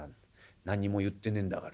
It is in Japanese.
何も言ってねえんだから。